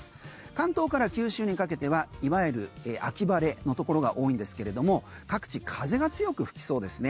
関東から九州にかけてはいわゆる秋晴れのところが多いんですけれども各地風が強く吹きそうですね。